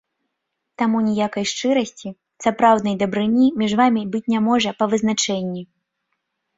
Таму ніякай шчырасці, сапраўднай дабрыні між вамі быць не можа па вызначэнні.